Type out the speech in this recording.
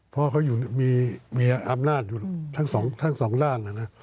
เพราะเขามีอำนาจอยู่ทั้งสองด้านนะนะ